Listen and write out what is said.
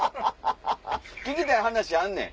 聞きたい話あんねん。